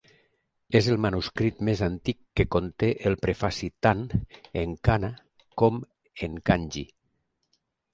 És el manuscrit més antic que conté el prefaci tant en kana com en kanji.